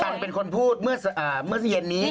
ต้นหย่นพูดเมื่อสัปเชียนนี้